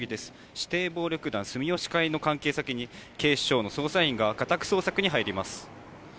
指定暴力団住吉会の関係先に、警視庁の捜査員が家宅捜索に入ります。